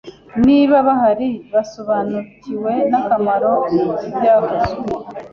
niba bahari, basobanukiwe n'akamaro k'ibyakozwe.